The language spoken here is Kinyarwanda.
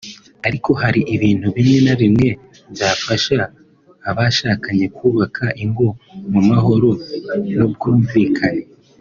ariko hari ibintu bimwe na bimwe byafasha abashakanye kubaka ingo mu mahoro n’ubwimvikane